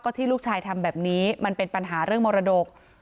ที่ลูกชายทำแบบนี้มันเป็นปัญหาเรื่องมรดก